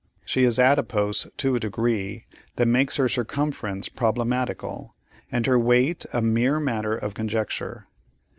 She is adipose to a degree that makes her circumference problematical, and her weight a mere matter of conjecture.